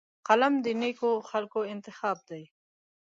قلم د نیکو خلکو انتخاب دی